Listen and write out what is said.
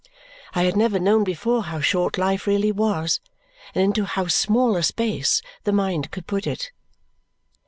I had never known before how short life really was and into how small a space the mind could put it.